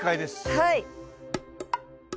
はい。